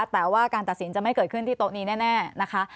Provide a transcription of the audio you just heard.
แต่ว่าการตัดสินจะไม่เกิดขึ้นที่โต๊ะนี้แน่นะคะ